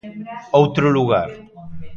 Outro lugar.